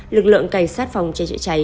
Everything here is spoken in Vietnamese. lực lượng cảnh sát phòng chữa chữa cháy